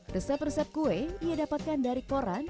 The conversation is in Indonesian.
resep resep kue yang ia dapatkan dari koran